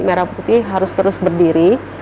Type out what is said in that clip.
merah putih harus terus berdiri